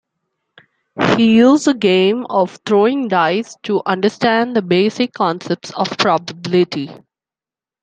He used the game of throwing dice to understand the basic concepts of probability.